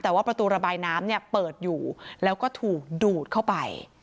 แต่ว่าประตูระบายน้ำเนี่ยเปิดอยู่แล้วก็ถูกดูดเข้าไป